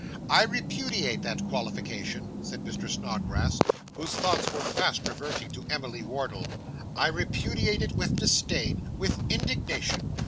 'I repudiate that qualification,' said Mr. Snodgrass, whose thoughts were fast reverting to Emily Wardle. 'I repudiate it with disdain with indignation.